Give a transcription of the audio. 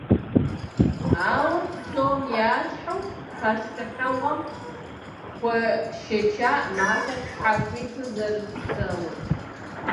Ауэ, псом ящхьэу, пащтыхьыгъуэм хуэшэчакъым ахэр щхьэхуиту зэрыпсэур.